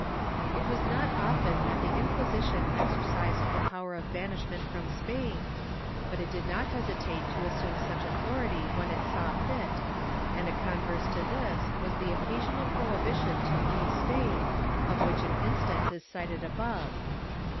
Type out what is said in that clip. * It was not often that the Inquisition exercised the power of banishment from Spain, but it did not hesitate to assume such authority when it saw fit, and a converse to this was the occasional prohibition to leave Spain, of which an instance is cited above (p.